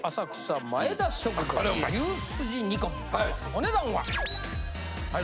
お値段は。